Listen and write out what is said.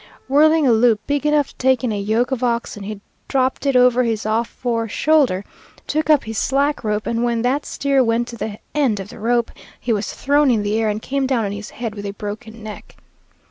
Whirling a loop big enough to take in a yoke of oxen, he dropped it over his off fore shoulder, took up his slack rope, and when that steer went to the end of the rope, he was thrown in the air and came down on his head with a broken neck.